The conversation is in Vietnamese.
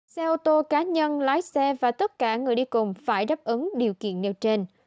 xe ô tô cá nhân lái xe và tất cả người đi cùng phải đáp ứng điều kiện nêu trên